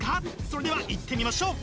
それではいってみましょう！